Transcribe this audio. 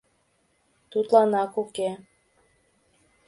— Тудлан ак уке.